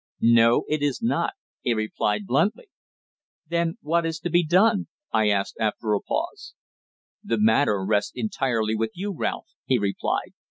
"No. It is not," he replied, bluntly. "Then what is to be done?" I asked, after a pause. "The matter rests entirely with you, Ralph," he replied.